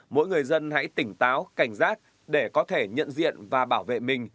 mỗi người dân hãy tỉnh táo cảnh giác để có thể nhận diện và bảo vệ mình